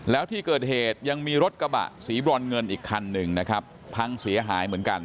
แล้วที่เกิดเหตุยังมีรถกระบะสีบรอนเงินอีกคันหนึ่งนะครับพังเสียหายเหมือนกัน